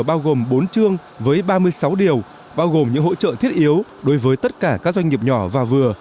bao gồm bốn chương với ba mươi sáu điều bao gồm những hỗ trợ thiết yếu đối với tất cả các doanh nghiệp nhỏ và vừa